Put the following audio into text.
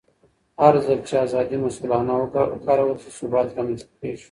هرځل چې ازادي مسؤلانه وکارول شي، ثبات رامنځته کېږي.